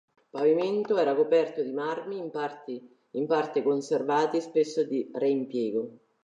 Il pavimento era coperto da marmi, in parte conservati, spesso di reimpiego.